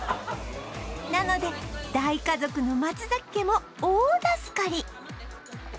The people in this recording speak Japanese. なので大家族の松家も大助かり